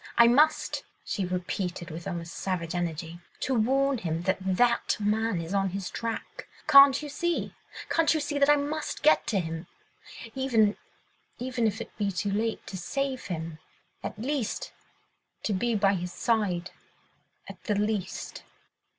I must!" she repeated with almost savage energy, "to warn him that that man is on his track. ... Can't you see—can't you see, that I must get to him ... even ... even if it be too late to save him ... at least ... to be by his side ... at the last."